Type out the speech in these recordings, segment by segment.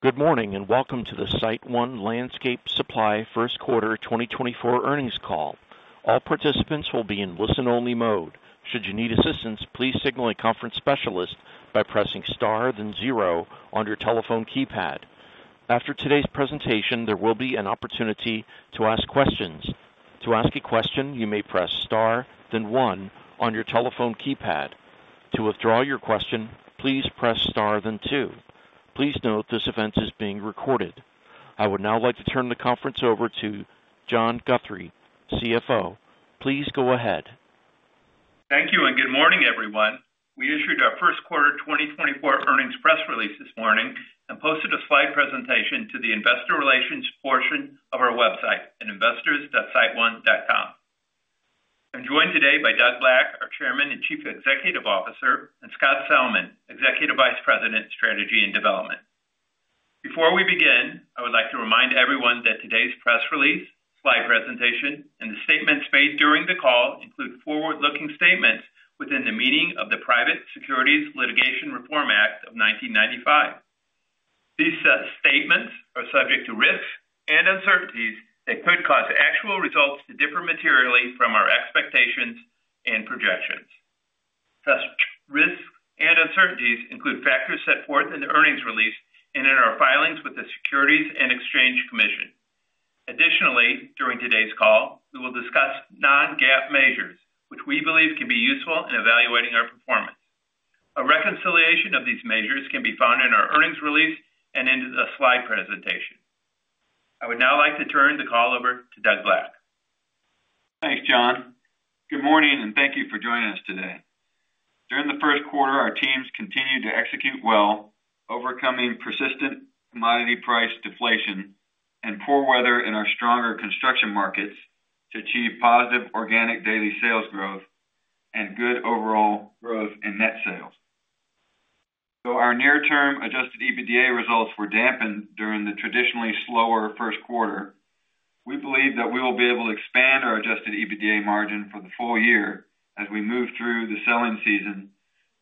Good morning, and welcome to the SiteOne Landscape Supply First Quarter 2024 Earnings Call. All participants will be in listen-only mode. Should you need assistance, please signal a conference specialist by pressing star, then zero on your telephone keypad. After today's presentation, there will be an opportunity to ask questions. To ask a question, you may press star, then one on your telephone keypad. To withdraw your question, please press star, then two. Please note, this event is being recorded. I would now like to turn the conference over to John Guthrie, CFO. Please go ahead. Thank you, and good morning, everyone. We issued our first quarter 2024 earnings press release this morning and posted a slide presentation to the investor relations portion of our website at investors.siteone.com. I'm joined today by Doug Black, our Chairman and Chief Executive Officer, and Scott Salmon, Executive Vice President, Strategy and Development. Before we begin, I would like to remind everyone that today's press release, slide presentation, and the statements made during the call include forward-looking statements within the meaning of the Private Securities Litigation Reform Act of 1995. These statements are subject to risks and uncertainties that could cause actual results to differ materially from our expectations and projections. Such risks and uncertainties include factors set forth in the earnings release and in our filings with the Securities and Exchange Commission. Additionally, during today's call, we will discuss non-GAAP measures, which we believe can be useful in evaluating our performance. A reconciliation of these measures can be found in our earnings release and in the slide presentation. I would now like to turn the call over to Doug Black. Thanks, John. Good morning, and thank you for joining us today. During the first quarter, our teams continued to execute well, overcoming persistent commodity price deflation and poor weather in our stronger construction markets to achieve positive organic daily sales growth and good overall growth in net sales. Our near-term Adjusted EBITDA results were dampened during the traditionally slower first quarter. We believe that we will be able to expand our Adjusted EBITDA margin for the full year as we move through the selling season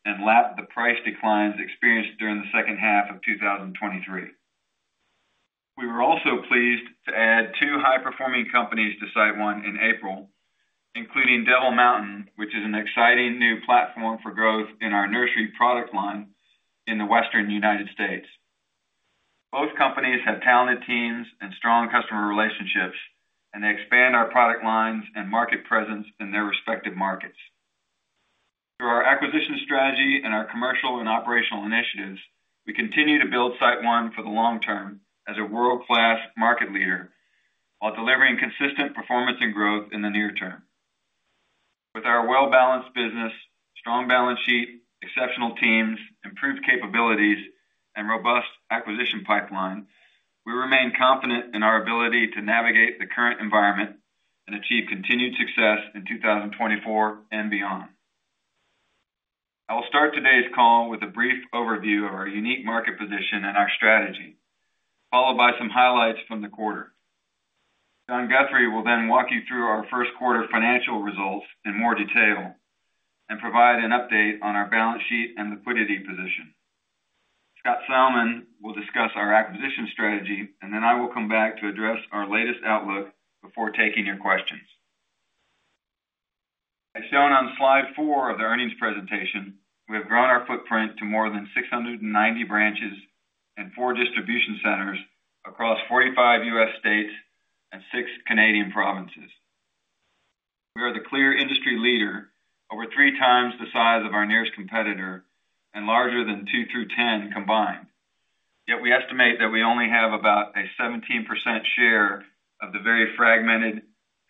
and lap the price declines experienced during the second half of 2023. We were also pleased to add two high-performing companies to SiteOne in April, including Devil Mountain, which is an exciting new platform for growth in our nursery product line in the Western United States. Both companies have talented teams and strong customer relationships, and they expand our product lines and market presence in their respective markets. Through our acquisition strategy and our commercial and operational initiatives, we continue to build SiteOne for the long term as a world-class market leader, while delivering consistent performance and growth in the near term. With our well-balanced business, strong balance sheet, exceptional teams, improved capabilities, and robust acquisition pipeline, we remain confident in our ability to navigate the current environment and achieve continued success in 2024 and beyond. I will start today's call with a brief overview of our unique market position and our strategy, followed by some highlights from the quarter. John Guthrie will then walk you through our first quarter financial results in more detail and provide an update on our balance sheet and liquidity position. Scott Salmon will discuss our acquisition strategy, and then I will come back to address our latest outlook before taking your questions. As shown on slide four of the earnings presentation, we have grown our footprint to more than 690 branches and four distribution centers across 45 U.S. states and six Canadian provinces. We are the clear industry leader, over three times the size of our nearest competitor and larger than two through 10 combined. Yet we estimate that we only have about a 17% share of the very fragmented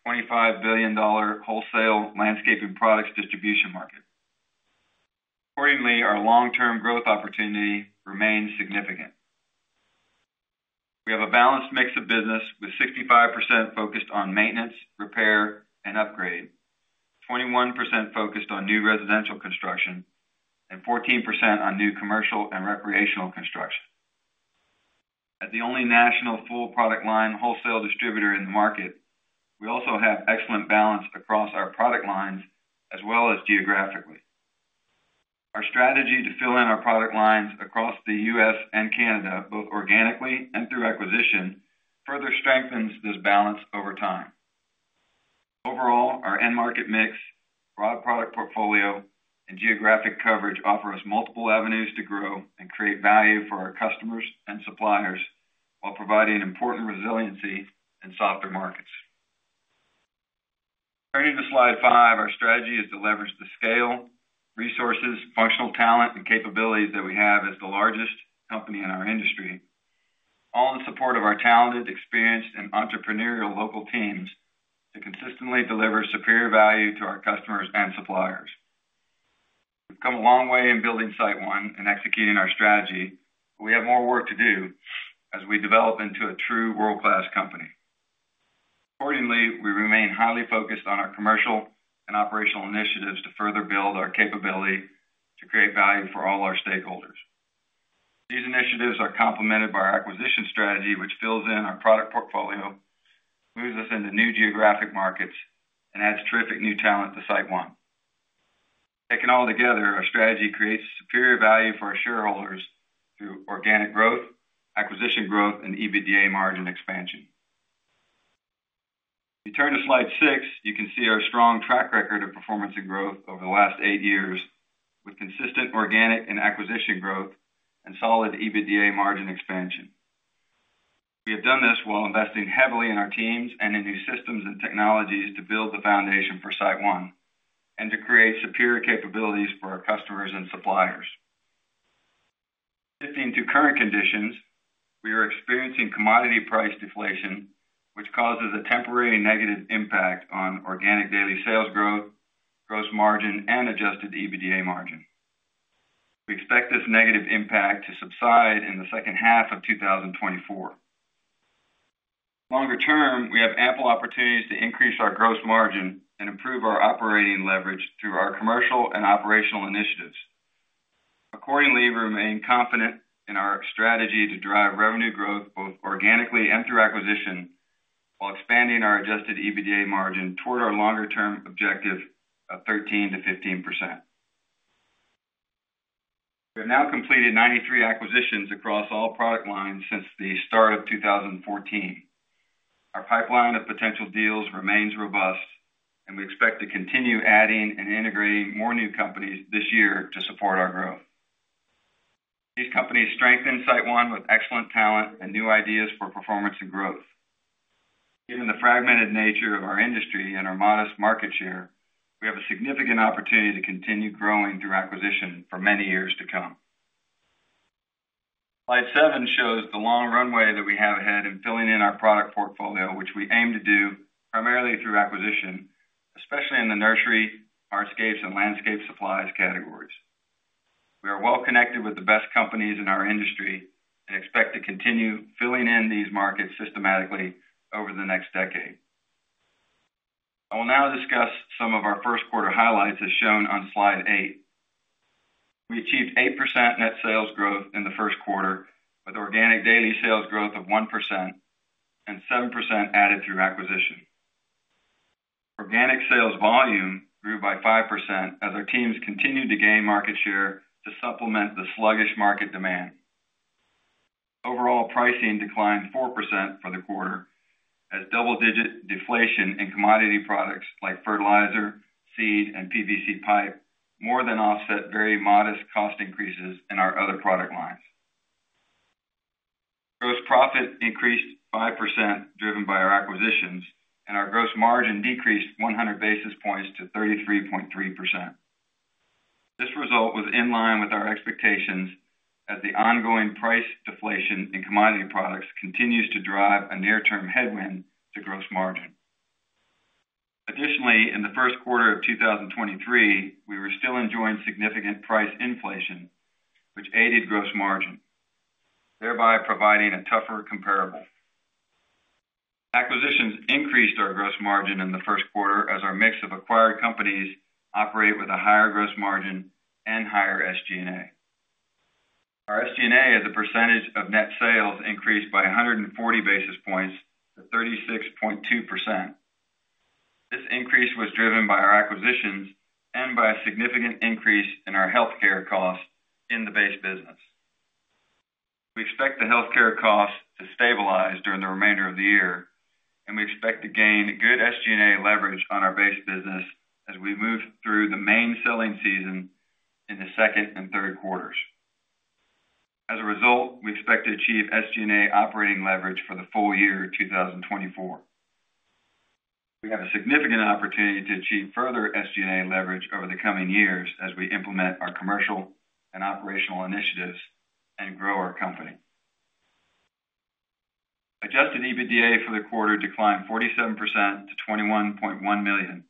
$25 billion wholesale landscaping products distribution market. Accordingly, our long-term growth opportunity remains significant. We have a balanced mix of business, with 65% focused on maintenance, repair, and upgrade, 21% focused on new residential construction, and 14% on new commercial and recreational construction. As the only national full-product line wholesale distributor in the market, we also have excellent balance across our product lines as well as geographically. Our strategy to fill in our product lines across the US and Canada, both organically and through acquisition, further strengthens this balance over time. Overall, our end market mix, broad product portfolio, and geographic coverage offer us multiple avenues to grow and create value for our customers and suppliers while providing important resiliency in softer markets. Turning to slide five, our strategy is to leverage the scale, resources, functional talent, and capabilities that we have as the largest company in our industry, all in support of our talented, experienced, and entrepreneurial local teams, to consistently deliver superior value to our customers and suppliers. We've come a long way in building SiteOne and executing our strategy, but we have more work to do as we develop into a true world-class company. Accordingly, we remain highly focused on our commercial and operational initiatives to further build our capability to create value for all our stakeholders. These initiatives are complemented by our acquisition strategy, which fills in our product portfolio, moves us into new geographic markets, and adds terrific new talent to SiteOne.... Taken all together, our strategy creates superior value for our shareholders through organic growth, acquisition growth, and EBITDA margin expansion. If you turn to slide six, you can see our strong track record of performance and growth over the last eight years, with consistent organic and acquisition growth and solid EBITDA margin expansion. We have done this while investing heavily in our teams and in new systems and technologies to build the foundation for SiteOne, and to create superior capabilities for our customers and suppliers. Shifting to current conditions, we are experiencing commodity price deflation, which causes a temporary negative impact on organic daily sales growth, gross margin, and adjusted EBITDA margin. We expect this negative impact to subside in the second half of 2024. Longer term, we have ample opportunities to increase our gross margin and improve our operating leverage through our commercial and operational initiatives. Accordingly, we remain confident in our strategy to drive revenue growth, both organically and through acquisition, while expanding our adjusted EBITDA margin toward our longer-term objective of 13%-15%. We have now completed 93 acquisitions across all product lines since the start of 2014. Our pipeline of potential deals remains robust, and we expect to continue adding and integrating more new companies this year to support our growth. These companies strengthen SiteOne with excellent talent and new ideas for performance and growth. Given the fragmented nature of our industry and our modest market share, we have a significant opportunity to continue growing through acquisition for many years to come. Slide seven shows the long runway that we have ahead in filling in our product portfolio, which we aim to do primarily through acquisition, especially in the nursery, hardscapes, and landscape supplies categories. We are well connected with the best companies in our industry and expect to continue filling in these markets systematically over the next decade. I will now discuss some of our first quarter highlights, as shown on slide eignt. We achieved 8% net sales growth in the first quarter, with organic daily sales growth of 1% and 7% added through acquisition. Organic sales volume grew by 5%, as our teams continued to gain market share to supplement the sluggish market demand. Overall pricing declined 4% for the quarter, as double-digit deflation in commodity products like fertilizer, seed, and PVC pipe, more than offset very modest cost increases in our other product lines. Gross profit increased 5%, driven by our acquisitions, and our gross margin decreased 100 basis points to 33.3%. This result was in line with our expectations as the ongoing price deflation in commodity products continues to drive a near-term headwind to gross margin. Additionally, in the first quarter of 2023, we were still enjoying significant price inflation, which aided gross margin, thereby providing a tougher comparable. Acquisitions increased our gross margin in the first quarter, as our mix of acquired companies operate with a higher gross margin and higher SG&A. Our SG&A, as a percentage of net sales, increased by 140 basis points to 36.2%. This increase was driven by our acquisitions and by a significant increase in our healthcare costs in the base business. We expect the healthcare costs to stabilize during the remainder of the year, and we expect to gain good SG&A leverage on our base business as we move through the main selling season in the second and third quarters. As a result, we expect to achieve SG&A operating leverage for the full year 2024. We have a significant opportunity to achieve further SG&A leverage over the coming years as we implement our commercial and operational initiatives and grow our company. Adjusted EBITDA for the quarter declined 47% to $21.1 million,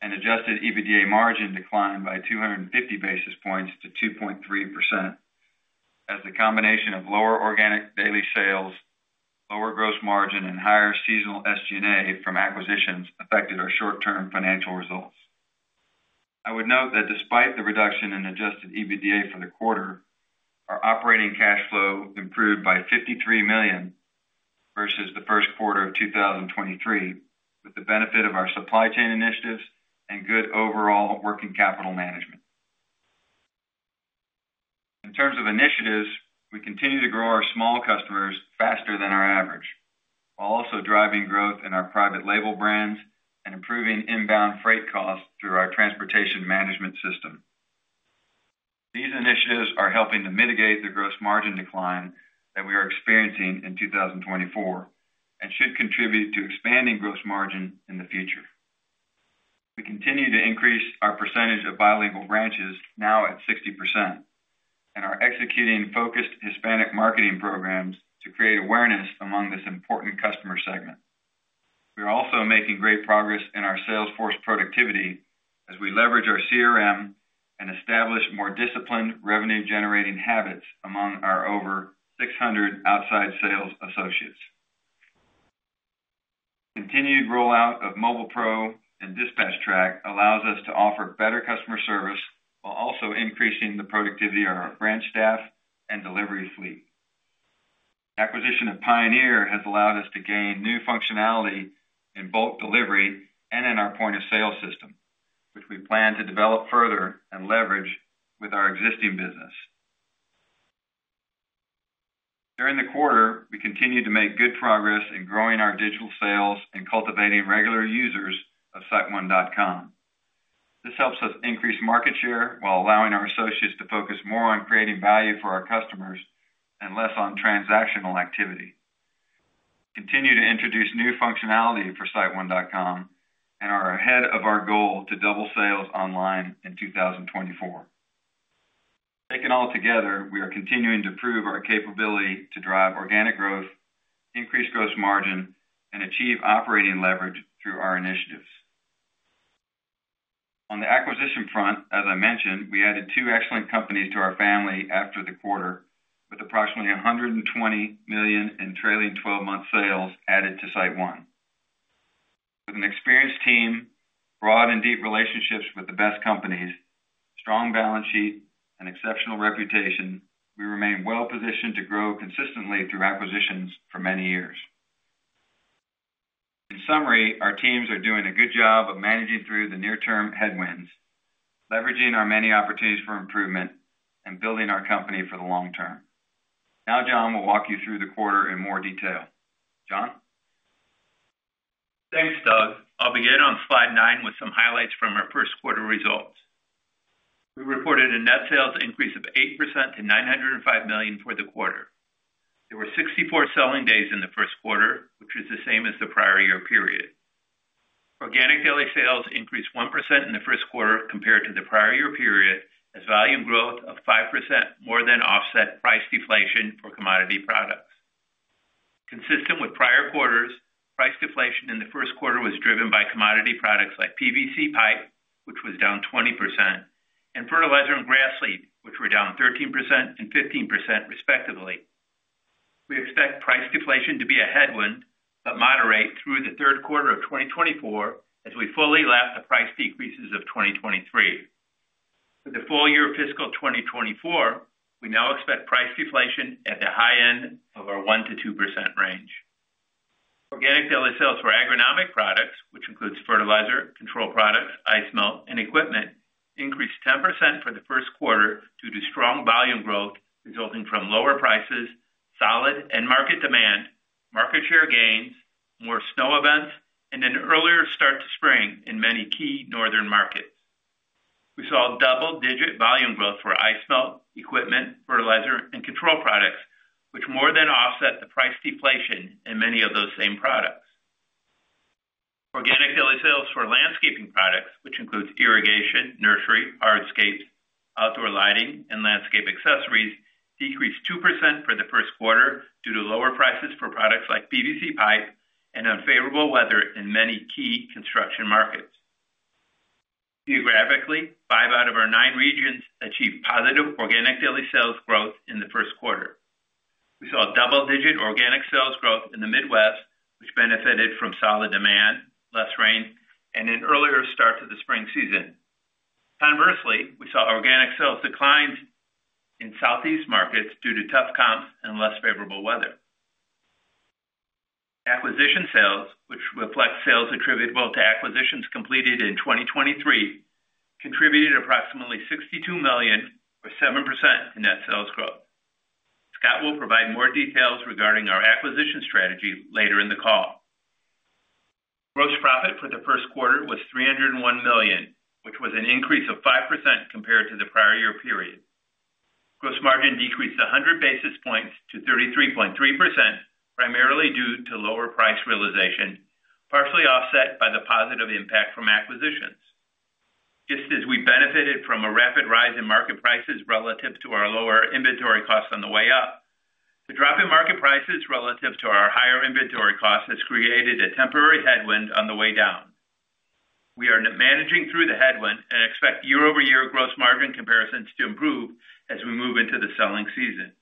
and adjusted EBITDA margin declined by 250 basis points to 2.3%, as the combination of lower organic daily sales, lower gross margin, and higher seasonal SG&A from acquisitions affected our short-term financial results. I would note that despite the reduction in adjusted EBITDA for the quarter, our operating cash flow improved by $53 million versus the first quarter of 2023, with the benefit of our supply chain initiatives and good overall working capital management. In terms of initiatives, we continue to grow our small customers faster than our average, while also driving growth in our private label brands and improving inbound freight costs through our transportation management system. These initiatives are helping to mitigate the gross margin decline that we are experiencing in 2024, and should contribute to expanding gross margin in the future. We continue to increase our percentage of bilingual branches, now at 60%, and are executing focused Hispanic marketing programs to create awareness among this important customer segment. We are also making great progress in our sales force productivity as we leverage our CRM and establish more disciplined revenue-generating habits among our over 600 outside sales associates. Continued rollout of Mobile Pro and DispatchTrack allows us to offer better customer service while also increasing the productivity of our branch staff and delivery fleet. Acquisition of Pioneer has allowed us to gain new functionality in bulk delivery and in our point-of-sale system, which we plan to develop further and leverage with our existing business. During the quarter, we continued to make good progress in growing our digital sales and cultivating regular users of siteone.com. This helps us increase market share, while allowing our associates to focus more on creating value for our customers and less on transactional activity. Continue to introduce new functionality for siteone.com, and are ahead of our goal to double sales online in 2024. Taken all together, we are continuing to prove our capability to drive organic growth, increase gross margin, and achieve operating leverage through our initiatives. On the acquisition front, as I mentioned, we added two excellent companies to our family after the quarter, with approximately $120 million in trailing twelve-month sales added to SiteOne. With an experienced team, broad and deep relationships with the best companies, strong balance sheet, and exceptional reputation, we remain well-positioned to grow consistently through acquisitions for many years. In summary, our teams are doing a good job of managing through the near-term headwinds, leveraging our many opportunities for improvement, and building our company for the long term. Now, John will walk you through the quarter in more detail. John? Thanks, Doug. I'll begin on slide nine with some highlights from our first quarter results. We reported a net sales increase of 8% to $905 million for the quarter. There were 64 selling days in the first quarter, which was the same as the prior year period. Organic daily sales increased 1% in the first quarter compared to the prior year period, as volume growth of 5% more than offset price deflation for commodity products. Consistent with prior quarters, price deflation in the first quarter was driven by commodity products like PVC pipe, which was down 20%, and fertilizer and grass seed, which were down 13% and 15%, respectively. We expect price deflation to be a headwind, but moderate through the third quarter of 2024 as we fully lap the price decreases of 2023. For the full year of fiscal 2024, we now expect price deflation at the high end of our 1%-2% range. Organic daily sales for agronomic products, which includes fertilizer, control products, ice melt, and equipment, increased 10% for the first quarter due to strong volume growth resulting from lower prices, solid end market demand, market share gains, more snow events, and an earlier start to spring in many key northern markets. We saw double-digit volume growth for ice melt, equipment, fertilizer, and control products, which more than offset the price deflation in many of those same products. Organic daily sales for landscaping products, which includes irrigation, nursery, hardscape, outdoor lighting, and landscape accessories, decreased 2% for the first quarter due to lower prices for products like PVC pipe and unfavorable weather in many key construction markets. Geographically, five out of our out regions achieved positive organic daily sales growth in the first quarter. We saw double-digit organic sales growth in the Midwest, which benefited from solid demand, less rain, and an earlier start to the spring season. Conversely, we saw organic sales declined in Southeast markets due to tough comps and less favorable weather. Acquisition sales, which reflect sales attributable to acquisitions completed in 2023, contributed approximately $62 million, or 7%, in net sales growth. Scott will provide more details regarding our acquisition strategy later in the call. Gross profit for the first quarter was $301 million, which was an increase of 5% compared to the prior year period. Gross margin decreased 100 basis points to 33.3%, primarily due to lower price realization, partially offset by the positive impact from acquisitions. Just as we benefited from a rapid rise in market prices relative to our lower inventory costs on the way up, the drop in market prices relative to our higher inventory costs has created a temporary headwind on the way down. We are managing through the headwind and expect year-over-year gross margin comparisons to improve as we move into the selling season.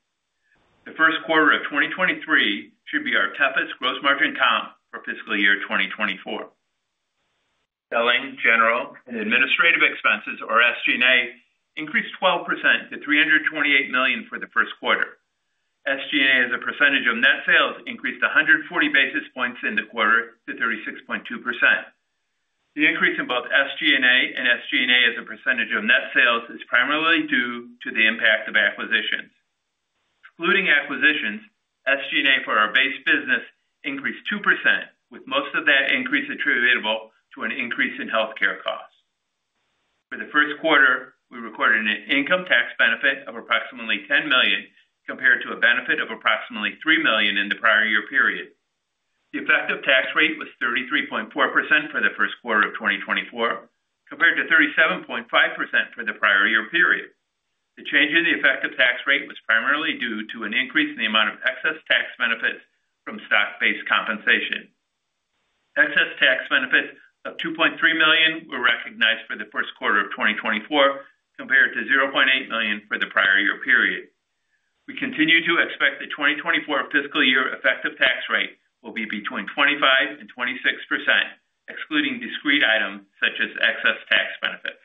The first quarter of 2023 should be our toughest gross margin comp for fiscal year 2024. Selling, general, and administrative expenses, or SG&A, increased 12% to $328 million for the first quarter. SG&A, as a percentage of net sales, increased 140 basis points in the quarter to 36.2%. The increase in both SG&A and SG&A, as a percentage of net sales, is primarily due to the impact of acquisitions. Excluding acquisitions, SG&A for our base business increased 2%, with most of that increase attributable to an increase in healthcare costs. For the first quarter, we recorded an income tax benefit of approximately $10 million, compared to a benefit of approximately $3 million in the prior year period. The effective tax rate was 33.4% for the first quarter of 2024, compared to 37.5% for the prior year period. The change in the effective tax rate was primarily due to an increase in the amount of excess tax benefits from stock-based compensation. Excess tax benefits of $2.3 million were recognized for the first quarter of 2024, compared to $0.8 million for the prior year period. We continue to expect the 2024 fiscal year effective tax rate will be between 25%-26%, excluding discrete items such as excess tax benefits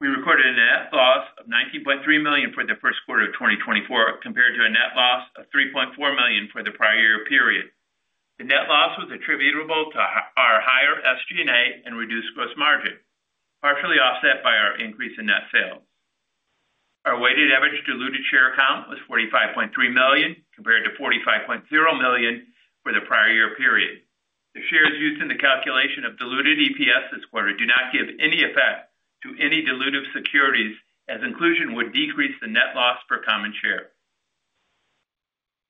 net loss of $90.3 million for the first quarter of 2024, compared to a net loss of $3.4 million for the prior year period. The net loss was attributable to our higher SG&A and reduced gross margin, partially offset by our increase in net sales. Our weighted average diluted share count was 45.3 million, compared to 45.0 million for the prior year period. The shares used in the calculation of diluted EPS this quarter do not give any effect to any dilutive securities, as inclusion would decrease the net loss per common share.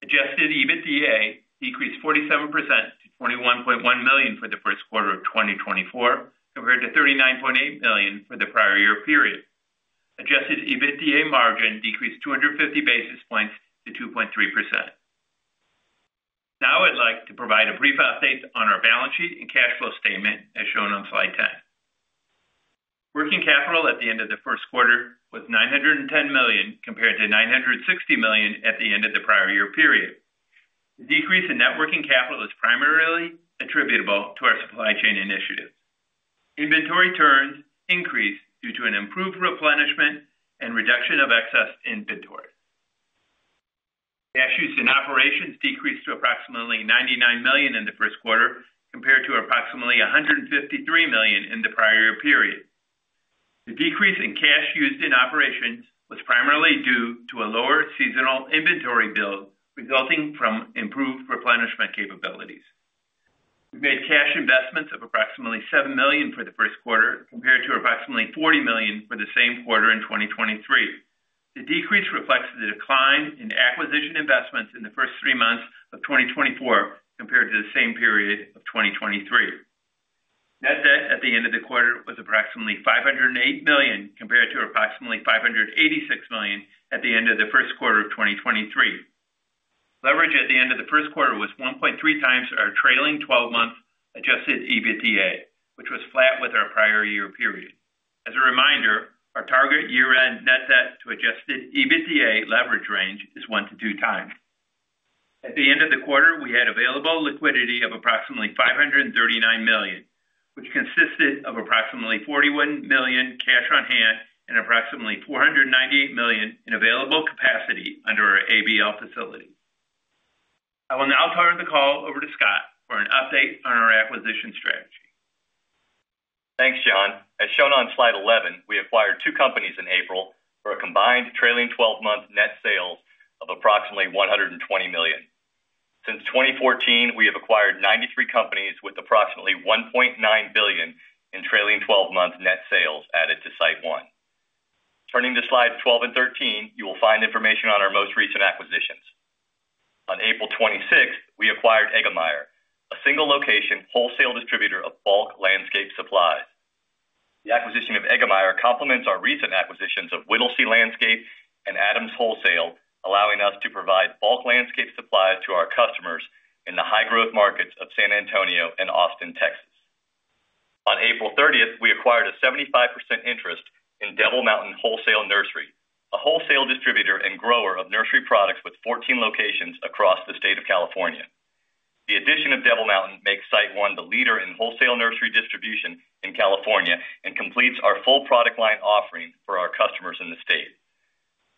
Adjusted EBITDA decreased 47% to $21.1 million for the first quarter of 2024, compared to $39.8 million for the prior year period. Adjusted EBITDA margin decreased 250 basis points to 2.3%. Now I'd like to provide a brief update on our balance sheet and cash flow statement, as shown on slide 10. Working capital at the end of the first quarter was $910 million, compared to $960 million at the end of the prior year period. The decrease in net working capital is primarily attributable to our supply chain initiative. Inventory turns increased due to an improved replenishment and reduction of excess inventory. Cash used in operations decreased to approximately $99 million in the first quarter, compared to approximately $153 million in the prior year period. The decrease in cash used in operations was primarily due to a lower seasonal inventory build, resulting from improved replenishment capabilities. We made cash investments of approximately $7 million for the first quarter, compared to approximately $40 million for the same quarter in 2023. The decrease reflects the decline in acquisition investments in the first three months of 2024, compared to the same period of 2023. Net debt at the end of the quarter was approximately $508 million, compared to approximately $586 million at the end of the first quarter of 2023. Leverage at the end of the first quarter was 1.3 times our trailing 12-month adjusted EBITDA, which was flat with our prior year period. As a reminder, our target year-end net debt to adjusted EBITDA leverage range is one-two times. At the end of the quarter, we had available liquidity of approximately $539 million, which consisted of approximately $41 million cash on hand and approximately $498 million in available capacity under our ABL facility. I will now turn the call over to Scott for an update on our acquisition strategy. Thanks, John. As shown on slide 11, we acquired two companies in April for a combined trailing 12-month net sales of approximately $120 million. Since 2014, we have acquired 93 companies with approximately $1.9 billion in trailing 12-month net sales added to SiteOne. Turning to slides 12 and 13, you will find information on our most recent acquisitions. On April 26th, we acquired Eggemeyer, a single-location wholesale distributor of bulk landscape supplies. The acquisition of Eggemeyer complements our recent acquisitions of Whittlesey Landscape and Adams Wholesale, allowing us to provide bulk landscape supplies to our customers in the high-growth markets of San Antonio and Austin, Texas. On April 30th, we acquired a 75% interest in Devil Mountain Wholesale Nursery, a wholesale distributor and grower of nursery products with 14 locations across the state of California. The addition of Devil Mountain makes SiteOne the leader in wholesale nursery distribution in California and completes our full product line offering for our customers in the state.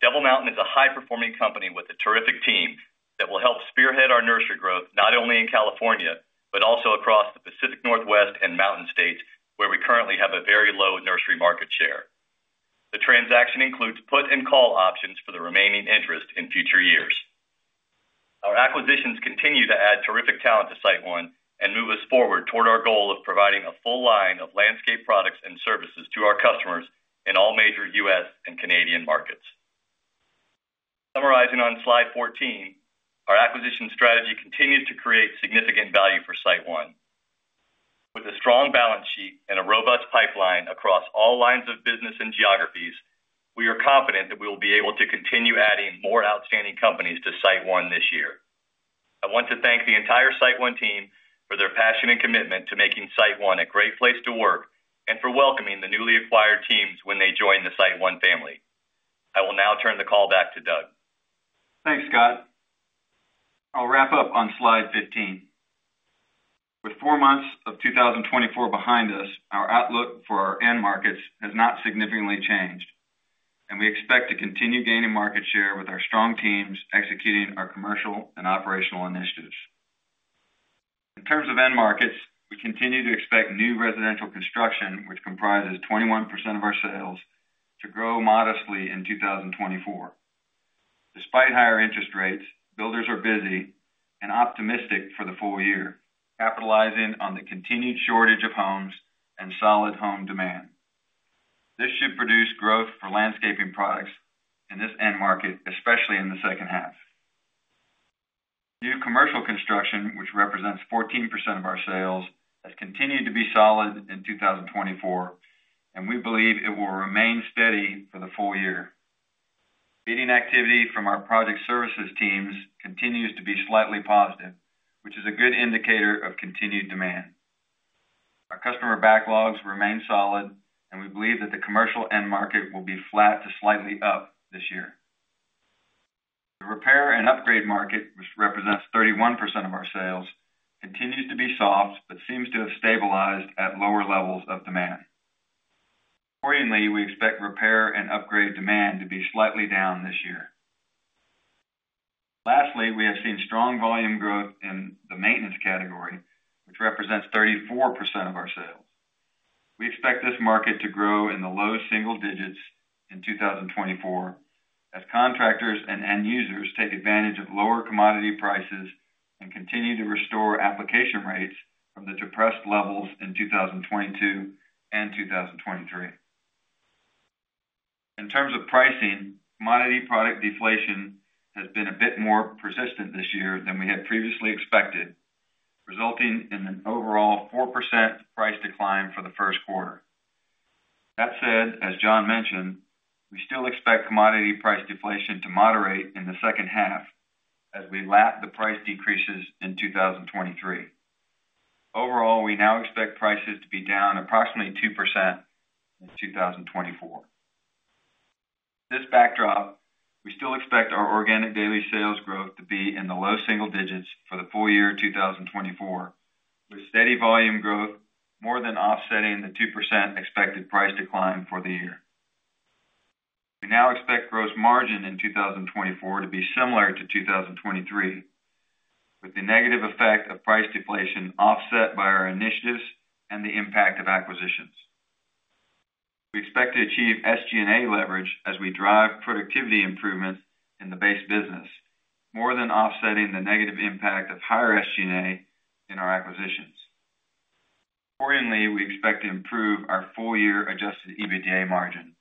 Devil Mountain is a high-performing company with a terrific team that will help spearhead our nursery growth, not only in California, but also across the Pacific Northwest and Mountain States, where we currently have a very low nursery market share. The transaction includes put and call options for the remaining interest in future years. Our acquisitions continue to add terrific talent to SiteOne and move us forward toward our goal of providing a full line of landscape products and services to our customers in all major U.S. and Canadian markets. Summarizing on slide 14, our acquisition strategy continues to create significant value for SiteOne. With a strong balance sheet and a robust pipeline across all lines of business and geographies, we are confident that we will be able to continue adding more outstanding companies to SiteOne this year. I want to thank the entire SiteOne team for their passion and commitment to making SiteOne a great place to work and for welcoming the newly acquired teams when they join the SiteOne family. I will now turn the call back to Doug. Thanks, Scott. I'll wrap up on slide 15. With four months of 2024 behind us, our outlook for our end markets has not significantly changed, and we expect to continue gaining market share with our strong teams executing our commercial and operational initiatives. In terms of end markets, we continue to expect new residential construction, which comprises 21% of our sales, to grow modestly in 2024. Despite higher interest rates, builders are busy and optimistic for the full year, capitalizing on the continued shortage of homes and solid home demand. This should produce growth for landscaping products in this end market, especially in the second half. New commercial construction, which represents 14% of our sales, has continued to be solid in 2024, and we believe it will remain steady for the full year. Bidding activity from our project services teams continues to be slightly positive, which is a good indicator of continued demand. Our customer backlogs remain solid, and we believe that the commercial end market will be flat to slightly up this year. Repair and upgrade market, which represents 31% of our sales, continues to be soft, but seems to have stabilized at lower levels of demand. Accordingly, we expect repair and upgrade demand to be slightly down this year. Lastly, we have seen strong volume growth in the maintenance category, which represents 34% of our sales. We expect this market to grow in the low single digits in 2024, as contractors and end users take advantage of lower commodity prices and continue to restore application rates from the depressed levels in 2022 and 2023. In terms of pricing, commodity product deflation has been a bit more persistent this year than we had previously expected, resulting in an overall 4% price decline for the first quarter. That said, as John mentioned, we still expect commodity price deflation to moderate in the second half as we lap the price decreases in 2023. Overall, we now expect prices to be down approximately 2% in 2024. This backdrop, we still expect our organic daily sales growth to be in the low single digits for the full year 2024, with steady volume growth more than offsetting the 2% expected price decline for the year. We now expect gross margin in 2024 to be similar to 2023, with the negative effect of price deflation offset by our initiatives and the impact of acquisitions. We expect to achieve SG&A leverage as we drive productivity improvements in the base business, more than offsetting the negative impact of higher SG&A in our acquisitions. Accordingly, we expect to improve our full year Adjusted EBITDA margin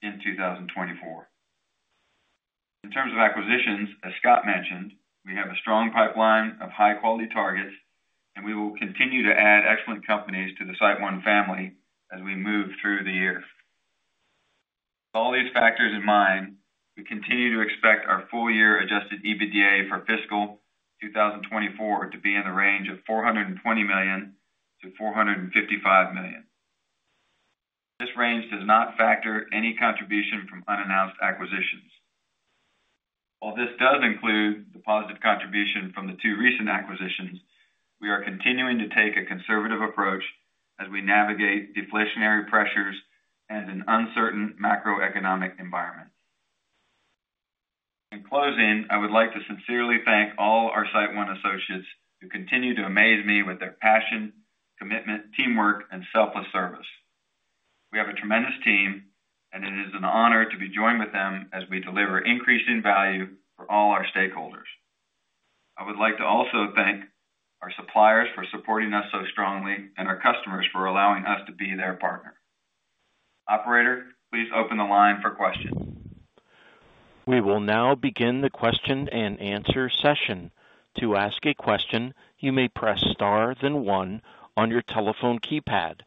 in 2024. In terms of acquisitions, as Scott mentioned, we have a strong pipeline of high quality targets, and we will continue to add excellent companies to the SiteOne family as we move through the year. All these factors in mind, we continue to expect our full year Adjusted EBITDA for fiscal 2024 to be in the range of $420 million-$455 million. This range does not factor any contribution from unannounced acquisitions. While this does include the positive contribution from the two recent acquisitions, we are continuing to take a conservative approach as we navigate deflationary pressures and an uncertain macroeconomic environment. In closing, I would like to sincerely thank all our SiteOne associates who continue to amaze me with their passion, commitment, teamwork, and selfless service. We have a tremendous team, and it is an honor to be joined with them as we deliver increase in value for all our stakeholders. I would like to also thank our suppliers for supporting us so strongly and our customers for allowing us to be their partner. Operator, please open the line for questions. We will now begin the question and answer session. To ask a question, you may press star, then one on your telephone keypad.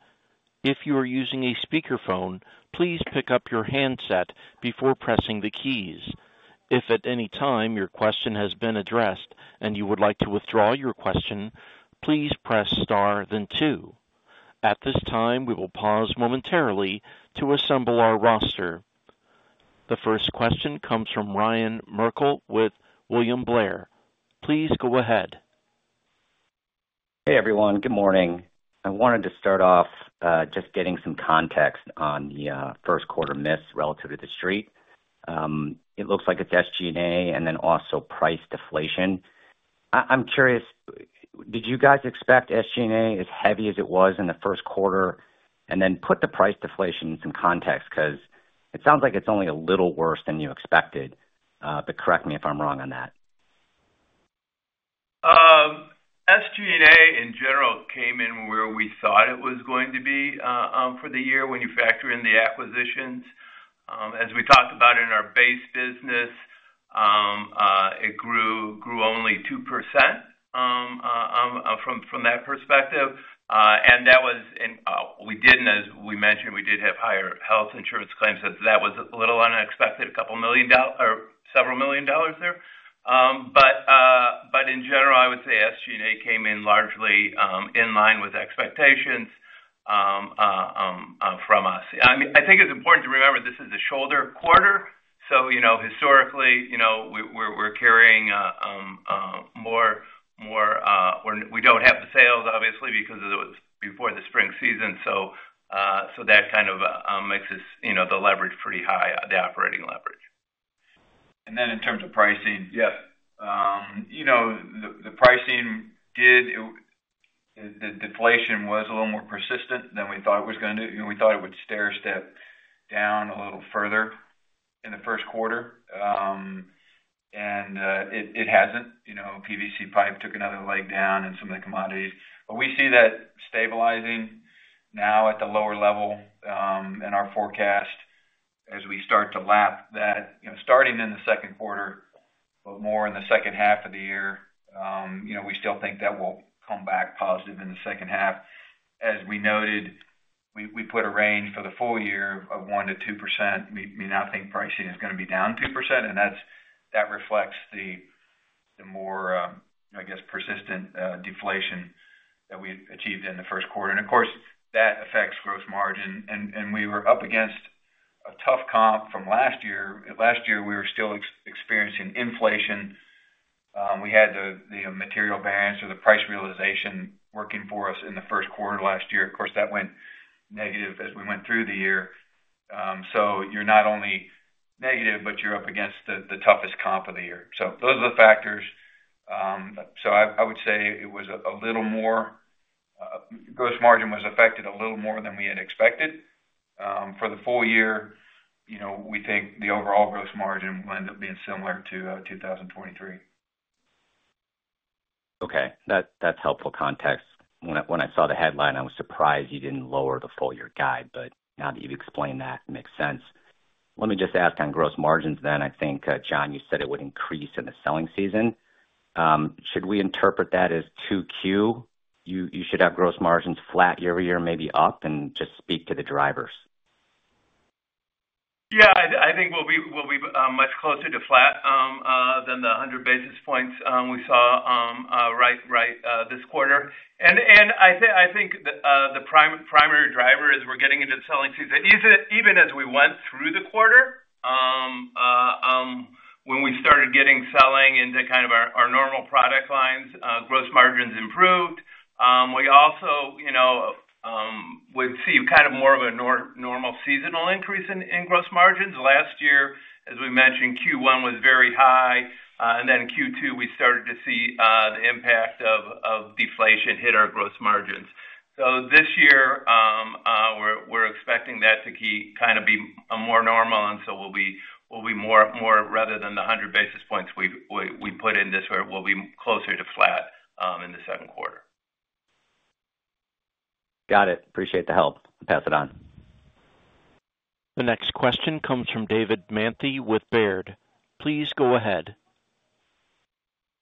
If you are using a speakerphone, please pick up your handset before pressing the keys. If at any time your question has been addressed and you would like to withdraw your question, please press star then two. At this time, we will pause momentarily to assemble our roster. The first question comes from Ryan Merkel with William Blair. Please go ahead. Hey, everyone. Good morning. I wanted to start off just getting some context on the first quarter miss relative to the street. It looks like it's SG&A and then also price deflation. I'm curious, did you guys expect SG&A as heavy as it was in the first quarter? And then put the price deflation in some context, 'cause it sounds like it's only a little worse than you expected, but correct me if I'm wrong on that. SG&A, in general, came in where we thought it was going to be, for the year when you factor in the acquisitions. As we talked about in our base business, it grew only 2%, from that perspective. And that was, as we mentioned, we did have higher health insurance claims, so that was a little unexpected, a couple million or several million dollars there. But in general, I would say SG&A came in largely in line with expectations, from us. I mean, I think it's important to remember this is a shoulder quarter. So, you know, historically, you know, we're carrying more, we don't have the sales, obviously, because it was before the spring season. So that kind of makes this, you know, the leverage pretty high, the operating leverage. And then, in terms of pricing? Yes. You know, the pricing did it, the deflation was a little more persistent than we thought it was gonna do. We thought it would stairstep down a little further in the first quarter, and it hasn't. You know, PVC pipe took another leg down and some of the commodities. But we see that stabilizing now at the lower level, in our forecast as we start to lap that, you know, starting in the second quarter, but more in the second half of the year. You know, we still think that will come back positive in the second half. As we noted, we put a range for the full year of 1%-2%. We now think pricing is gonna be down 2%, and that reflects the. The more, I guess, persistent deflation that we achieved in the first quarter. And of course, that affects gross margin. And we were up against a tough comp from last year. Last year, we were still experiencing inflation. We had the material variance or the price realization working for us in the first quarter last year. Of course, that went negative as we went through the year. So you're not only negative, but you're up against the toughest comp of the year. So those are the factors. So I would say it was a little more, gross margin was affected a little more than we had expected. For the full year, you know, we think the overall gross margin will end up being similar to 2023. Okay, that's helpful context. When I saw the headline, I was surprised you didn't lower the full-year guide, but now that you've explained that, it makes sense. Let me just ask on gross margins, then. I think, John, you said it would increase in the selling season. Should we interpret that as 2Q? You should have gross margins flat year-over-year, maybe up, and just speak to the drivers. Yeah, I think we'll be much closer to flat than the 100 basis points we saw right this quarter. And I think the primary driver is we're getting into the selling season. Even as we went through the quarter, when we started getting selling into kind of our normal product lines, gross margins improved. We also, you know, would see kind of more of a normal seasonal increase in gross margins. Last year, as we mentioned, Q1 was very high, and then Q2, we started to see the impact of deflation hit our gross margins. So this year, we're expecting that to keep kind of be more normal, and so we'll be more rather than the 100 basis points we put in this where we'll be closer to flat, in the second quarter. Got it. Appreciate the help. Pass it on. The next question comes from David Mantey with Baird. Please go ahead.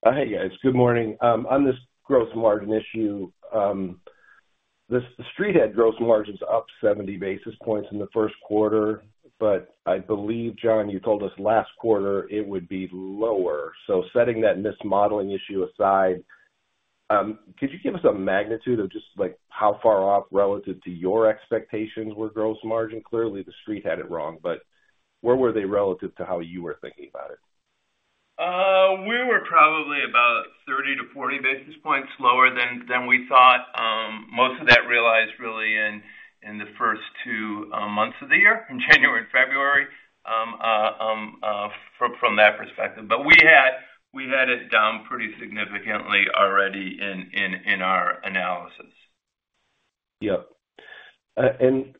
Hey, guys. Good morning. On this gross margin issue, the Street had gross margins up 70 basis points in the first quarter, but I believe, John, you told us last quarter it would be lower. Setting that mismodeling issue aside, could you give us a magnitude of just, like, how far off relative to your expectations were gross margin? Clearly, the Street had it wrong, but where were they relative to how you were thinking about it? We were probably about 30-40 basis points lower than we thought. Most of that realized really in the first two months of the year, in January and February, from that perspective. But we had it down pretty significantly already in our analysis. Yep. And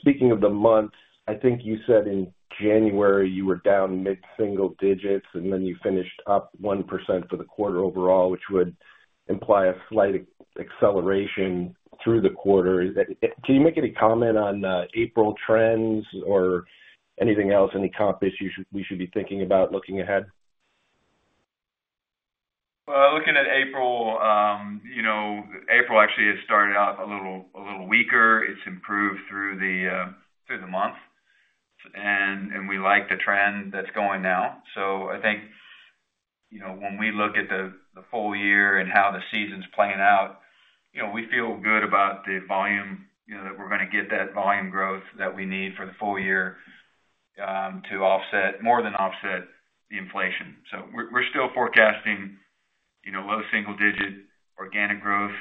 speaking of the month, I think you said in January you were down mid-single digits, and then you finished up 1% for the quarter overall, which would imply a slight acceleration through the quarter. Can you make any comment on April trends or anything else, any comp issues we should be thinking about looking ahead? Well, looking at April, you know, April actually had started out a little, a little weaker. It's improved through the through the month, and, and we like the trend that's going now. So I think, you know, when we look at the the full year and how the season's playing out, you know, we feel good about the volume, you know, that we're gonna get that volume growth that we need for the full year, to offset-- more than offset the inflation. So we're, we're still forecasting, you know, low single-digit organic growth,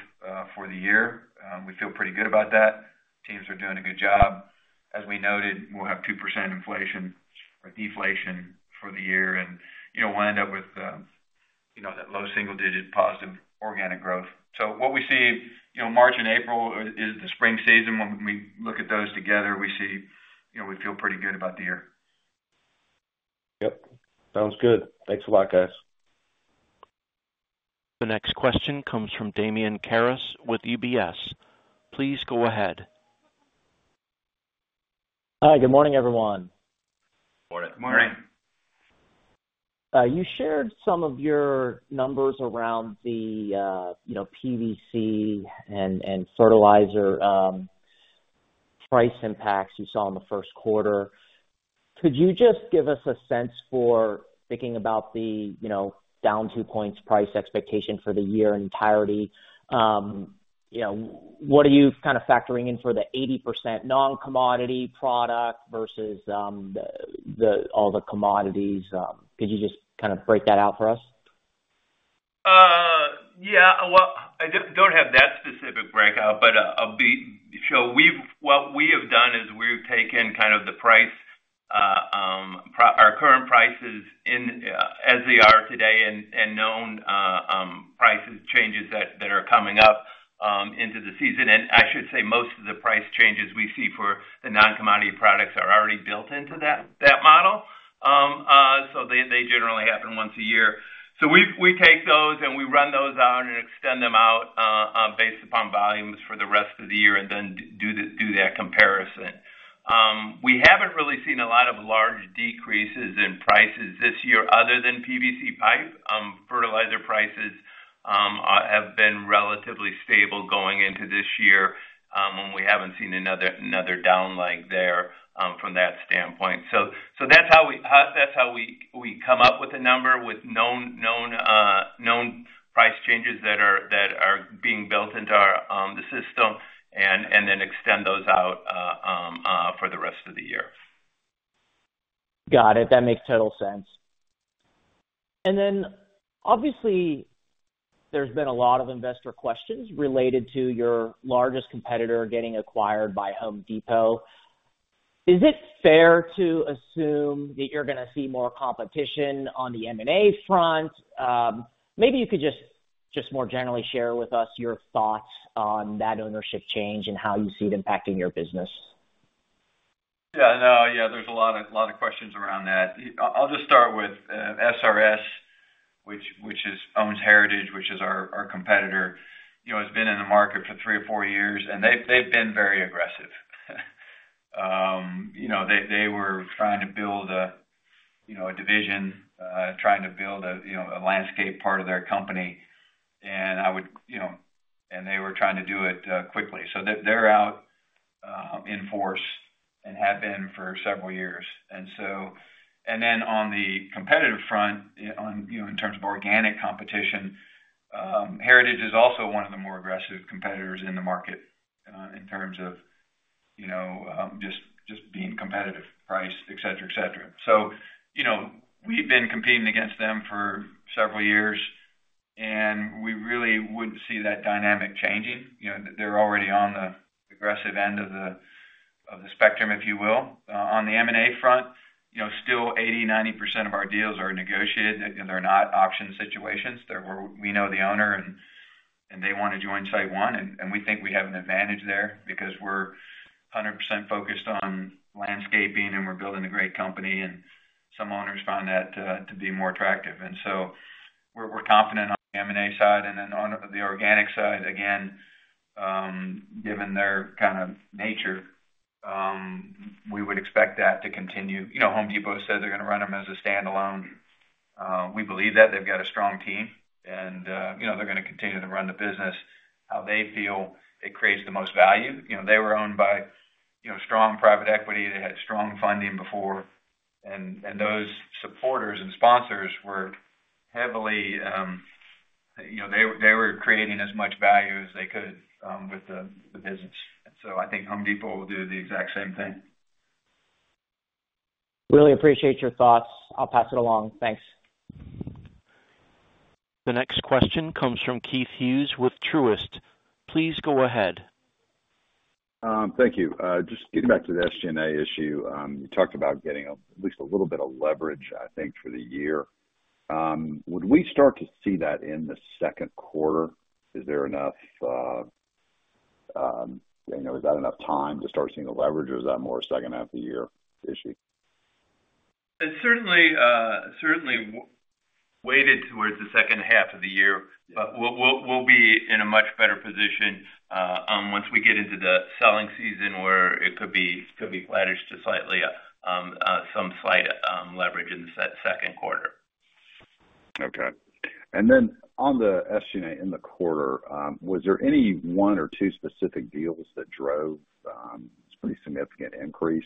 for the year. We feel pretty good about that. Teams are doing a good job. As we noted, we'll have 2% inflation or deflation for the year, and, you know, we'll end up with, you know, that low single-digit positive organic growth. So what we see, you know, March and April is the spring season. When we look at those together, we see you know, we feel pretty good about the year. Yep, sounds good. Thanks a lot, guys. The next question comes from Damian Karas with UBS. Please go ahead. Hi, good morning, everyone. Morning. Morning. You shared some of your numbers around the, you know, PVC and fertilizer price impacts you saw in the first quarter. Could you just give us a sense for thinking about the, you know, down two points price expectation for the year in entirety? You know, what are you kind of factoring in for the 80% non-commodity product versus the all the commodities? Could you just kind of break that out for us? Yeah. Well, I don't have that specific breakout, but, I'll be-- so we've-- what we have done is we've taken kind of the price, our current prices in, as they are today and, and known, prices changes that, that are coming up, into the season. And I should say, most of the price changes we see for the non-commodity products are already built into that model. So they generally happen once a year. So we take those, and we run those out and extend them out, based upon volumes for the rest of the year, and then do that comparison. We haven't really seen a lot of large decreases in prices this year other than PVC pipe. Fertilizer prices have been relatively stable going into this year, when we haven't seen another down line there, from that standpoint. So that's how we come up with a number with known price changes that are being built into the system, and then extend those out for the rest of the year. Got it. That makes total sense. Then, obviously, there's been a lot of investor questions related to your largest competitor getting acquired by Home Depot. Is it fair to assume that you're gonna see more competition on the M&A front? Maybe you could just more generally share with us your thoughts on that ownership change and how you see it impacting your business. Yeah, no, yeah, there's a lot of questions around that. I'll just start with SRS, which owns Heritage, which is our competitor. You know, it's been in the market for three or four years, and they've been very aggressive. You know, they were trying to build a, you know, a division, trying to build a, you know, a landscape part of their company. They were trying to do it quickly. So they're out in force and have been for several years. And then on the competitive front, on, you know, in terms of organic competition, Heritage is also one of the more aggressive competitors in the market, in terms of, you know, just being competitive price, et cetera, et cetera. You know, we've been competing against them for several years, and we really wouldn't see that dynamic changing. You know, they're already on the aggressive end of the spectrum, if you will. On the M&A front, you know, still 80%-90% of our deals are negotiated. They're not option situations. We know the owner, and they want to join SiteOne, and we think we have an advantage there because we're 100% focused on landscaping, and we're building a great company, and some owners find that to be more attractive. And so we're confident on the M&A side, and then on the organic side, again, given their kind of nature, we would expect that to continue. You know, Home Depot said they're gonna run them as a standalone. We believe that they've got a strong team and, you know, they're gonna continue to run the business how they feel it creates the most value. You know, they were owned by, you know, strong private equity. They had strong funding before, and those supporters and sponsors were heavily, you know, they were creating as much value as they could with the business. So I think Home Depot will do the exact same thing. Really appreciate your thoughts. I'll pass it along. Thanks. The next question comes from Keith Hughes with Truist. Please go ahead. Thank you. Just getting back to the SG&A issue, you talked about getting at least a little bit of leverage, I think, for the year. Would we start to see that in the second quarter? Is there enough, you know, is that enough time to start seeing the leverage, or is that more a second half of the year issue? It certainly certainly weighted towards the second half of the year, but we'll be in a much better position once we get into the selling season, where it could be flattish to slightly some slight leverage in the second quarter. Okay. On the SG&A in the quarter, was there any one or two specific deals that drove this pretty significant increase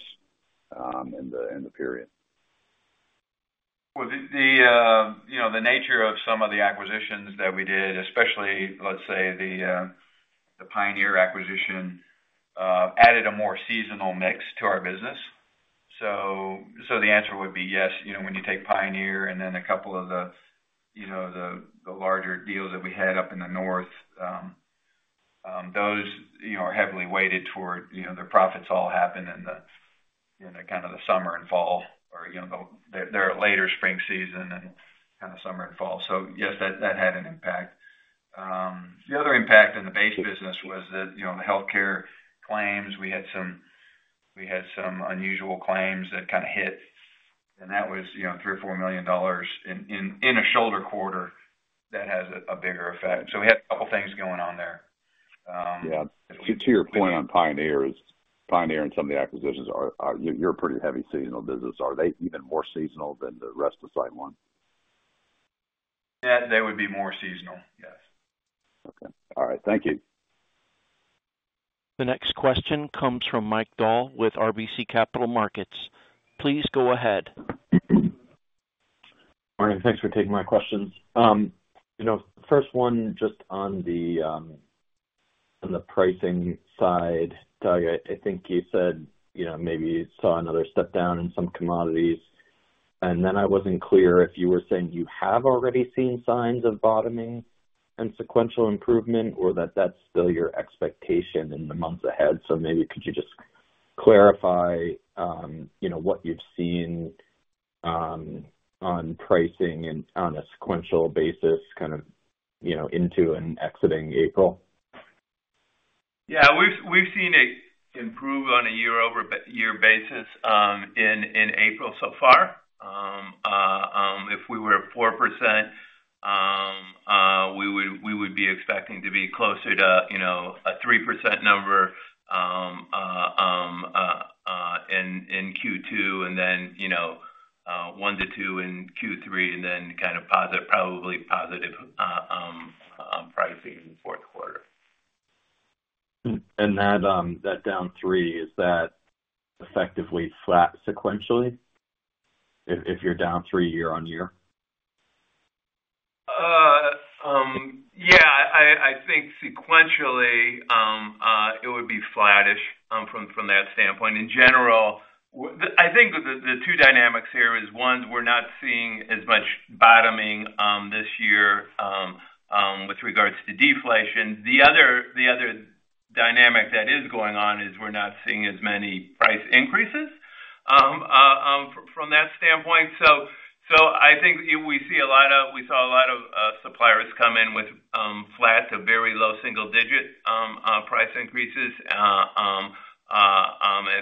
in the period? Well, you know, the nature of some of the acquisitions that we did, especially, let's say, the Pioneer acquisition, added a more seasonal mix to our business. So, the answer would be yes. You know, when you take Pioneer and then a couple of the, you know, the larger deals that we had up in the north, those, you know, are heavily weighted toward, you know, their profits all happen in the kind of the summer and fall or, you know, their later spring season and kind of summer and fall. So yes, that had an impact. The other impact in the base business was that, you know, the healthcare claims, we had some unusual claims that kind of hit, and that was, you know, $3 million-$4 million in a shoulder quarter that has a bigger effect. So we had a couple things going on there. Yeah. To your point on Pioneer, Pioneer and some of the acquisitions are. You're a pretty heavy seasonal business. Are they even more seasonal than the rest of SiteOne? Yeah, they would be more seasonal, yes. Okay. All right. Thank you. The next question comes from Mike Dahl with RBC Capital Markets. Please go ahead. Morning. Thanks for taking my questions. You know, first one, just on the pricing side, Doug, I think you said, you know, maybe you saw another step down in some commodities. And then I wasn't clear if you were saying you have already seen signs of bottoming and sequential improvement, or that that's still your expectation in the months ahead. So maybe could you just clarify, you know, what you've seen on pricing and on a sequential basis, kind of, you know, into and exiting April? Yeah, we've seen it improve on a year-over-year basis in April so far. If we were at 4%, we would be expecting to be closer to, you know, a 3% number and, you know, 1%-2% in Q3, and then kind of probably positive on pricing in the fourth quarter. That down three, is that effectively flat sequentially, if you're down three year-on-year? Yeah, I think sequentially, it would be flattish from that standpoint. In general, I think the two dynamics here is, one, we're not seeing as much bottoming this year with regards to deflation. The other dynamic that is going on is we're not seeing as many price increases from that standpoint. So I think we see a lot of we saw a lot of suppliers come in with flat to very low single-digit price increases at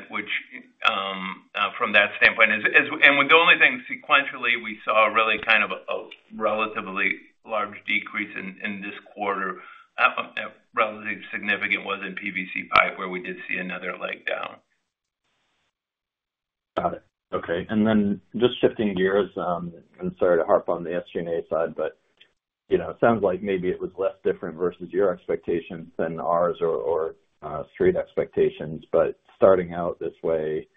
which from that standpoint. As and the only thing sequentially, we saw really kind of a relatively large decrease in this quarter, relatively significant, was in PVC pipe, where we did see another leg down. Got it. Okay, and then just shifting gears, and sorry to harp on the SG&A side, but, you know, it sounds like maybe it was less different versus your expectations than ours or street expectations, but starting out this way,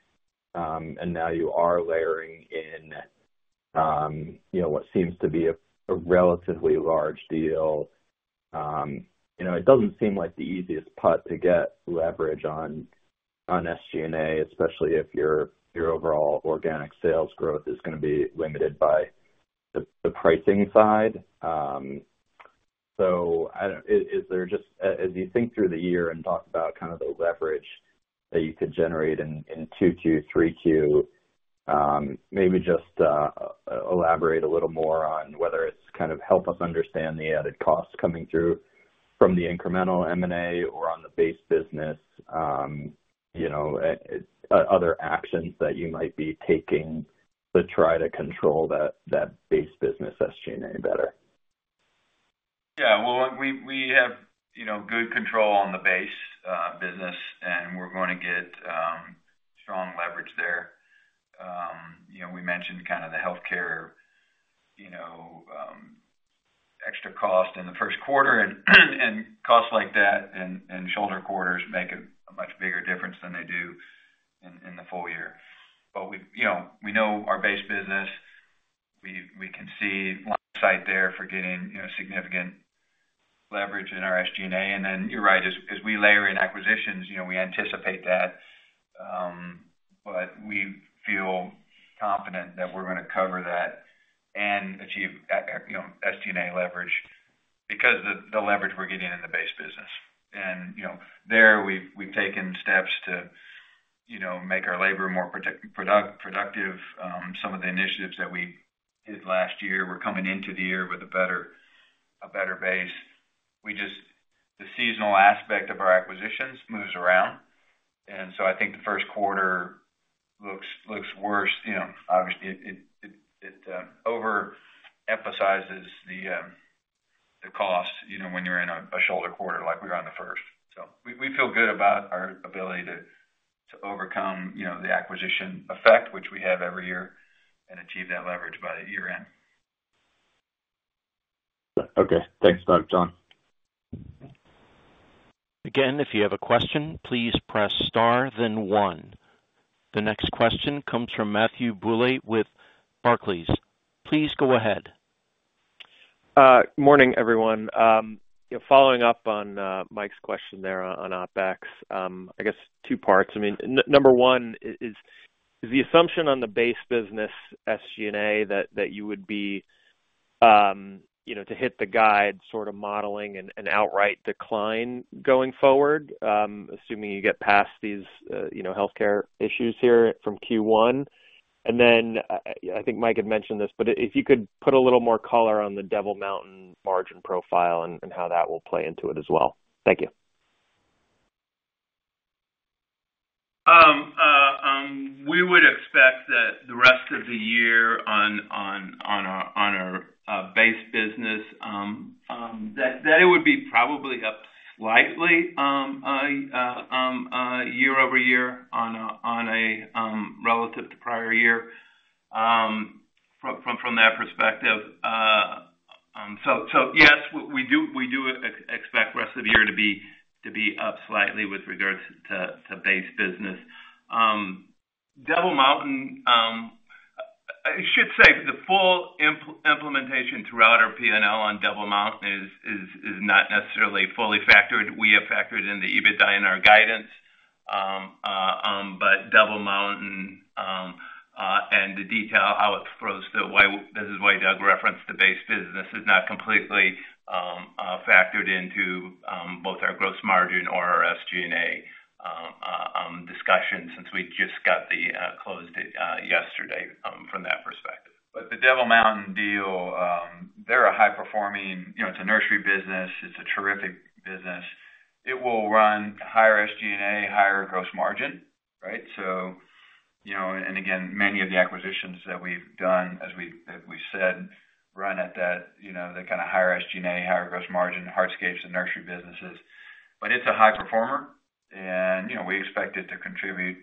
and now you are layering in, you know, what seems to be a relatively large deal. You know, it doesn't seem like the easiest putt to get leverage on SG&A, especially if your overall organic sales growth is gonna be limited by the pricing side. So I don't— is there just. As you think through the year and talk about kind of the leverage that you could generate in 2Q, 3Q, maybe just elaborate a little more on whether it's kind of help us understand the added costs coming through from the incremental M&A or on the base business, you know, other actions that you might be taking to try to control that base business SG&A better. Yeah, well, we have, you know, good control on the base business, and we're going to get strong leverage there. You know, we mentioned kind of the healthcare, you know, extra cost in the first quarter, and costs like that and shoulder quarters make a much bigger difference than they do in the full year. But we, you know, we know our base business. We can see line of sight there for getting, you know, significant leverage in our SG&A. And then you're right, as we layer in acquisitions, you know, we anticipate that, but we feel confident that we're gonna cover that and achieve, you know, SG&A leverage because of the leverage we're getting in the base business. And, you know, there we've taken steps to, you know, make our labor more productive. Some of the initiatives that we did last year, we're coming into the year with a better base. The seasonal aspect of our acquisitions moves around, and so I think the first quarter looks worse. You know, obviously, it overemphasizes the costs, you know, when you're in a shoulder quarter like we are in the first. So we feel good about our ability to overcome, you know, the acquisition effect, which we have every year, and achieve that leverage by the year-end. Okay. Thanks, Doug. John? Again, if you have a question, please press star, then one. The next question comes from Matthew Bouley with Barclays. Please go ahead. Morning, everyone. You know, following up on Mike's question there on OpEx, I guess two parts. I mean, number one, is the assumption on the base business SG&A that you would be, you know, to hit the guide, sort of modeling an outright decline going forward, assuming you get past these, you know, healthcare issues here from Q1? And then, I think Mike had mentioned this, but if you could put a little more color on the Devil Mountain margin profile and how that will play into it as well. Thank you. We would expect that the rest of the year on our base business, that it would be probably up slightly year over year on a relative to prior year, from that perspective. So yes, we do expect rest of the year to be up slightly with regards to base business. Devil Mountain, I should say the full implementation throughout our P&L on Devil Mountain is not necessarily fully factored. We have factored in the EBITDA in our guidance, but Devil Mountain and the detail how it flows through, why. This is why Doug referenced the base business. It is not completely factored into both our gross margin or our SG&A discussion, since we just got the closed it yesterday, from that perspective. But the Devil Mountain deal, they're a high-performing, you know, it's a nursery business. It's a terrific business. It will run higher SG&A, higher gross margin, right? So, you know, and again, many of the acquisitions that we've done, as we've, as we've said, run at that, you know, the kind of higher SG&A, higher gross margin, hardscapes and nursery businesses. But it's a high performer, and, you know, we expect it to contribute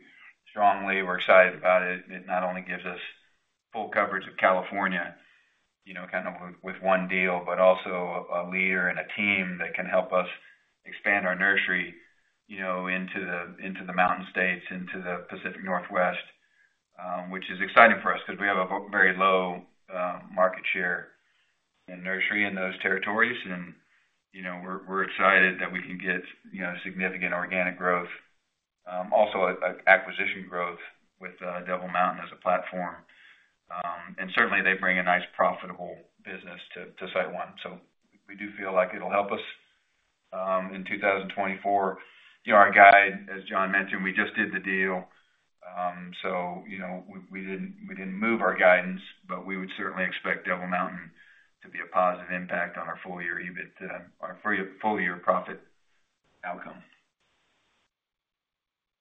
strongly. We're excited about it. It not only gives us full coverage of California, you know, kind of with, with one deal, but also a leader and a team that can help us expand our nursery, you know, into the, into the Mountain States, into the Pacific Northwest, which is exciting for us because we have a very low market share in nursery in those territories. And, you know, we're, we're excited that we can get, you know, significant organic growth, also acquisition growth with Devil Mountain as a platform. And certainly, they bring a nice, profitable business to SiteOne, so we do feel like it'll help us in 2024. You know, our guide, as John mentioned, we just did the deal. So, you know, we didn't move our guidance, but we would certainly expect Devil Mountain to be a positive impact on our full year EBIT, on our full year profit outcome.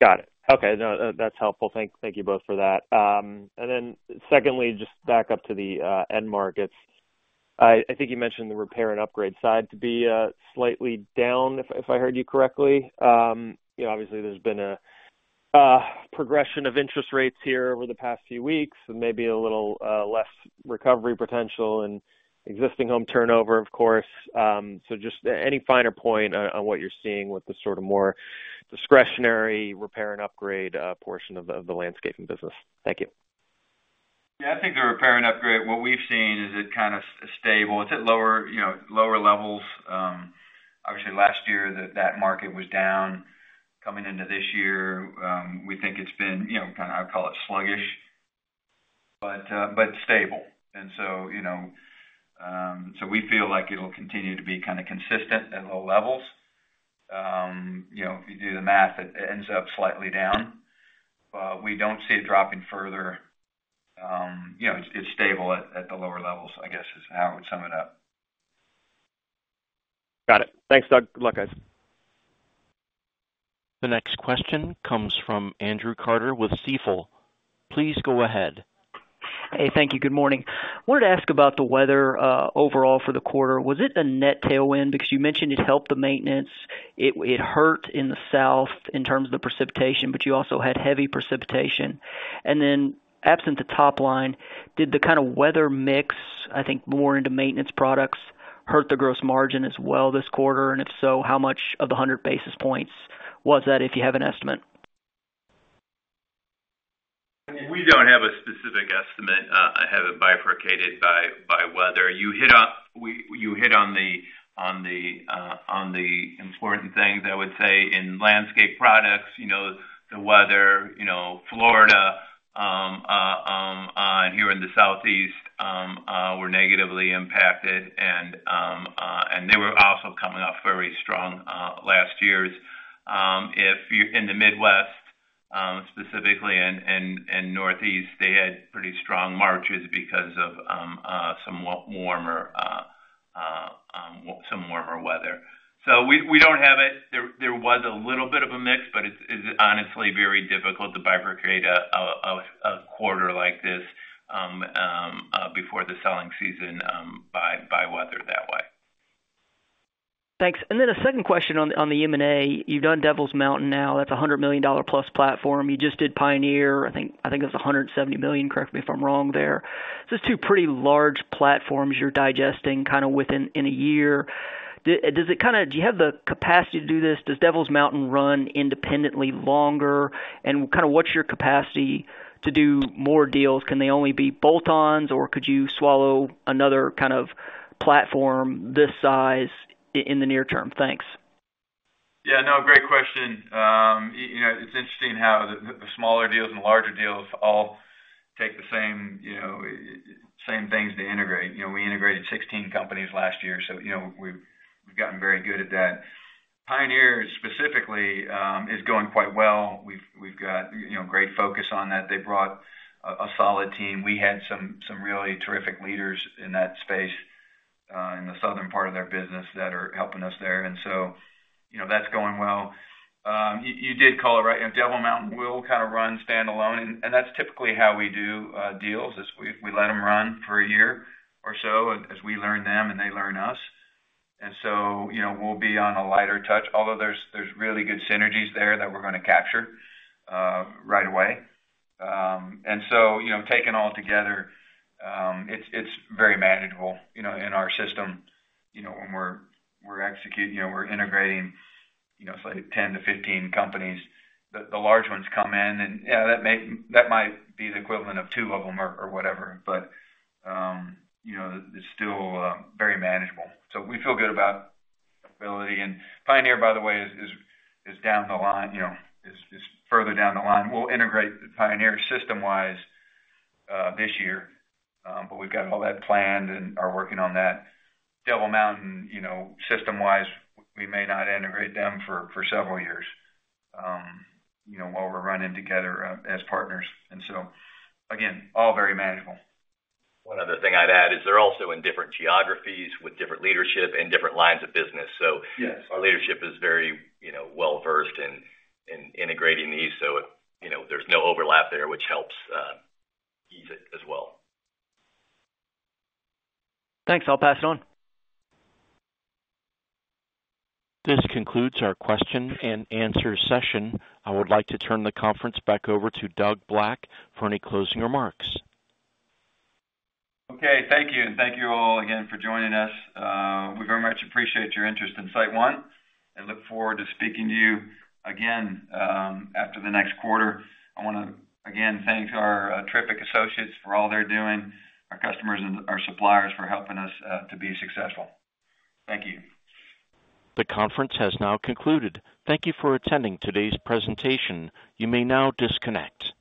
Got it. Okay, no, that's helpful. Thank, thank you both for that. And then secondly, just back up to the end markets. I think you mentioned the repair and upgrade side to be slightly down, if I heard you correctly. You know, obviously, there's been a progression of interest rates here over the past few weeks and maybe a little less recovery potential in existing home turnover, of course. So just any finer point on what you're seeing with the sort of more discretionary repair and upgrade portion of the landscaping business. Thank you. Yeah, I think the repair and upgrade, what we've seen is it kind of stable. It's at lower, you know, lower levels. Obviously, last year, that market was down. Coming into this year, we think it's been, you know, kinda, I'd call it sluggish, but, but stable. And so, you know, so we feel like it'll continue to be kinda consistent at low levels. You know, if you do the math, it ends up slightly down, but we don't see it dropping further. You know, it's stable at the lower levels, I guess, is how I would sum it up. Got it. Thanks, Doug. Good luck, guys. The next question comes from Andrew Carter with Stifel. Please go ahead. Hey, thank you. Good morning. Wanted to ask about the weather overall for the quarter. Was it a net tailwind? Because you mentioned it helped the maintenance. It hurt in the South in terms of the precipitation, but you also had heavy precipitation. And then absent the top line, did the kind of weather mix, I think, more into maintenance products, hurt the gross margin as well this quarter? And if so, how much of the 100 basis points was that, if you have an estimate? We don't have a specific estimate. I have it bifurcated by weather. You hit on the important things, I would say. In landscape products, you know, the weather, you know, Florida and here in the Southeast were negatively impacted, and they were also coming off very strong last year. If you're in the Midwest, specifically and Northeast, they had pretty strong markets because of somewhat warmer, some warmer weather. So we don't have it. There was a little bit of a mix, but it's honestly very difficult to bifurcate a quarter like this before the selling season by weather that way. Thanks. And then a second question on the M&A. You've done Devil Mountain now. That's a $100 million-plus platform. You just did Pioneer. I think it's $170 million, correct me if I'm wrong there. So it's two pretty large platforms you're digesting kinda within a year. Does it kinda do you have the capacity to do this? Does Devil Mountain run independently longer? And kinda what's your capacity to do more deals? Can they only be bolt-ons, or could you swallow another kind of platform this size in the near term? Thanks. Yeah, no, great question. You know, it's interesting how the smaller deals and the larger deals all take the same, you know, same things to integrate. You know, we integrated 16 companies last year, so, you know, we've gotten very good at that. Pioneer, specifically, is going quite well. We've got, you know, great focus on that. They brought a solid team. We had some really terrific leaders in that space in the southern part of their business that are helping us there, and so, you know, that's going well. You did call it right. Devil Mountain will kind of run standalone, and that's typically how we do deals, is we let them run for a year or so, as we learn them and they learn us. So, you know, we'll be on a lighter touch, although there's really good synergies there that we're gonna capture right away. So, you know, taken all together, it's very manageable. You know, in our system, you know, when we're executing, you know, we're integrating, you know, say, 10-15 companies, the large ones come in, and, yeah, that might be the equivalent of two of them or whatever, but, you know, it's still very manageable. So we feel good about ability. And Pioneer, by the way, is down the line, you know, is further down the line. We'll integrate Pioneer system-wise this year, but we've got all that planned and are working on that. Devil Mountain, you know, system-wise, we may not integrate them for several years, you know, while we're running together, as partners. And so, again, all very manageable. One other thing I'd add is they're also in different geographies with different leadership and different lines of business, so- Yes. Our leadership is very, you know, well-versed in integrating these. So, you know, there's no overlap there, which helps ease it as well. Thanks. I'll pass it on. This concludes our question and answer session. I would like to turn the conference back over to Doug Black for any closing remarks. Okay. Thank you, and thank you all again for joining us. We very much appreciate your interest in SiteOne and look forward to speaking to you again after the next quarter. I wanna, again, thank our terrific associates for all they're doing, our customers and our suppliers for helping us to be successful. Thank you. The conference has now concluded. Thank you for attending today's presentation. You may now disconnect.